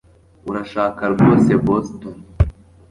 Urashaka rwose Boston